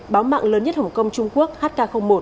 báo mạng lớn nhất hồng kông trung quốc hk một